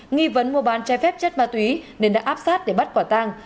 nghi vấn mua bán trái phép chất ma túy nên đã áp sát để bắt quả tan